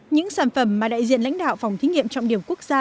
những sản phẩm mà đại diện lãnh đạo phòng thí nghiệm trọng điểm quốc gia